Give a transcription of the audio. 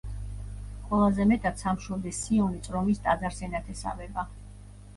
ყველაზე მეტად სამშვილდის სიონი წრომის ტაძარს ენათესავება.